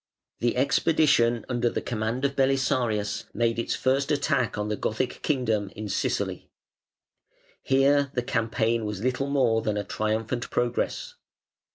] The expedition under the command of Belisarius made its first attack on the Gothic kingdom in Sicily. Here the campaign was little more than a triumphant progress.